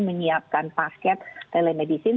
menyiapkan paket telemedicine